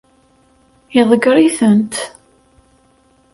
Iḍeggeṛ-itent.